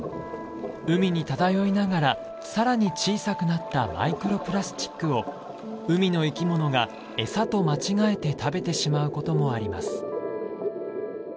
海に漂いながらさらに小さくなったマイクロプラスチックを海の生き物がエサと間違えて食べてしまう事もあります。